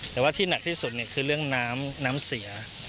แต่ว่าที่หนักที่สุดคือเรื่องน้ำน้ำเสีย